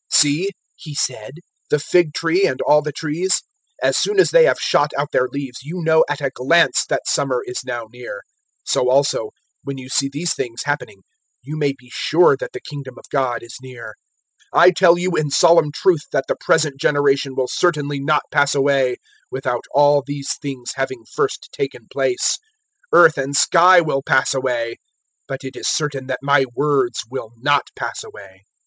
"See," He said, "the fig tree and all the trees. 021:030 As soon as they have shot out their leaves, you know at a glance that summer is now near. 021:031 So also, when you see these things happening, you may be sure that the Kingdom of God is near. 021:032 I tell you in solemn truth that the present generation will certainly not pass away without all these things having first taken place. 021:033 Earth and sky will pass away, but it is certain that my words will not pass away.